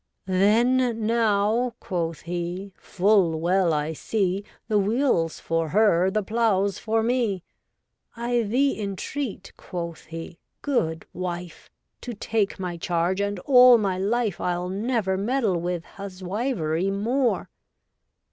' Then now,' quoth he, ' full well I see, The wheel's for her, the plow's for me. I thee entreat,' quoth he, 'good wife, To take my charge, and all my life I'll never meddle with huswivery more.'